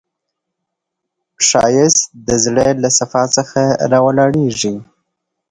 ښایست د زړه له صفا څخه راولاړیږي